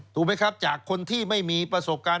ถูกไหมครับจากคนที่ไม่มีประสบการณ์